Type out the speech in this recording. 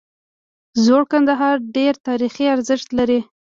زوړ کندهار ډیر تاریخي ارزښت لري